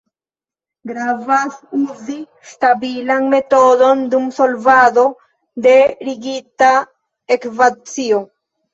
Gravas uzi stabilan metodon dum solvado de rigida ekvacio.